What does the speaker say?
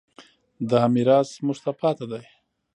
دا میراث موږ ته پاتې دی.